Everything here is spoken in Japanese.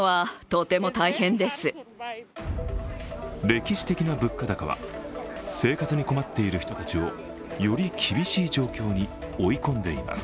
歴史的な物価高は生活に困っている人たちをより厳しい状況に追い込んでいます。